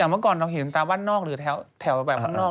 อย่างเมื่อก่อนเราเห็นทางนั้นว่าแถวแบบข้างนอก